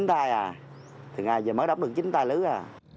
chín tai à thì ngày giờ mới đóng được chín tai lứa à